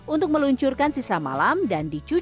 untuk meluncurkan sisa malam dan dicuci